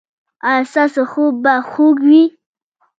ایا ستاسو خوب به خوږ وي؟